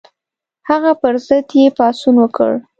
هغه پر ضد یې پاڅون وکړ.